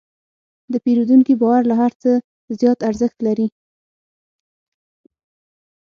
د پیرودونکي باور له هر څه زیات ارزښت لري.